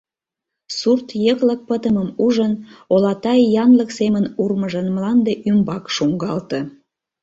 Сурт йыклык пытымым ужын, Олатай янлык семын урмыжын мланде ӱмбак шуҥгалте.